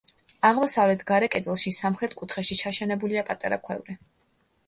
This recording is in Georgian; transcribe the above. აღმოსავლეთის გარე კედელში სამხრეთ კუთხეში ჩაშენებულია პატარა ქვევრი.